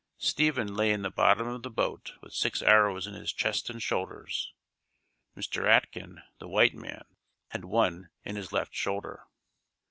Stephen lay in the bottom of the boat with six arrows in his chest and shoulders. Mr. Atkin, the white man, had one in his left shoulder.